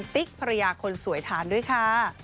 ติ๊กภรรยาคนสวยทานด้วยค่ะ